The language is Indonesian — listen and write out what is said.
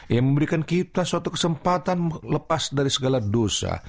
yang memberikan kita suatu kesempatan lepas dari segala dosa